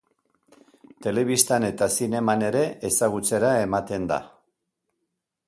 Telebistan eta zineman ere ezagutzera ematen da.